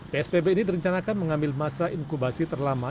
psbb ini direncanakan mengambil masa inkubasi terlama